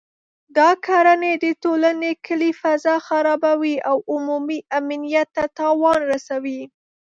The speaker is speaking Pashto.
دا کړنې د ټولنې کلي فضا خرابوي او عمومي امنیت ته تاوان رسوي